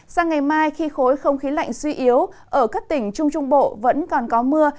sang ngày mai khi khối không khí lạnh suy yếu ở các tỉnh trung trung bộ vẫn còn có mưa